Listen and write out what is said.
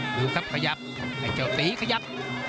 ดูครับขยับไอ้เจ้าตีขยับ